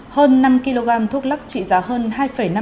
hơn năm kg thuốc lắc trị giá hơn